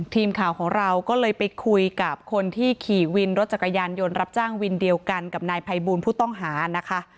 ทีมข่าวของเราก็เลยไปคุยกับคนที่ขี่วินรถจักรยานยนต์รับจ้างวินเดียวกันกับนายภัยบูลผู้ต้องหานะคะ